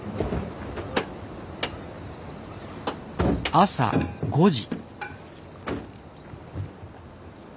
朝５時。